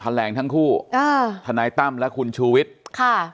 แหลงทั้งคู่อ่าทนายตั้มและคุณชูวิทย์ค่ะ